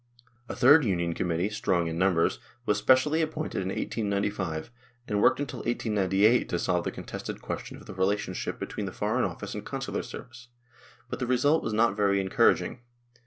A third Union Committee, strong in numbers, was specially appointed in 1895, and worked until 1898 to solve the contested question of the rela tionship between the Foreign Office and Consular Service ; but the result was not very encouraging.